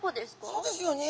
そうですよね。